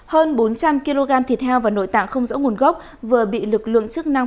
hơn bốn trăm linh kg thịt heo và nội tạng không rõ nguồn gốc vừa bị lực lượng chức năng